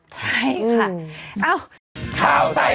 ใช่ค่ะ